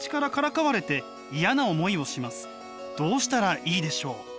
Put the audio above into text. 「どうしたらいいでしょう？」。